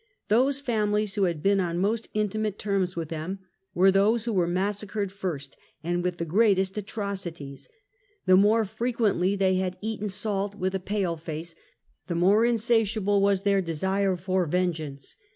Those fami lies who had been on most intimate terms with them, were those who were massacred first and with the greatest atrocities. The more frequently they had eaten salt with a pale face, the more insatiable was their desire for vengeance.